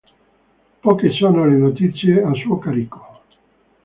Poche sono le notizie a suo carico.